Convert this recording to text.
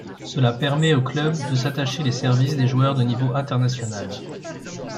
Cela permet aux clubs de s’attacher les services des joueurs de niveau international.